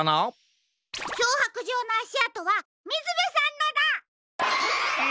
きょうはくじょうのあしあとはみずべさんのだ！え！？